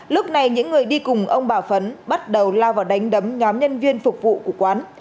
lúc này những người đi cùng ông bà phấn bắt đầu lao vào đánh đấm nhóm nhân viên phục vụ của quán